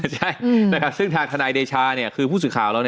ใช่ซึ่งทางทนายเดชาคือผู้สื่อข่าวแล้ว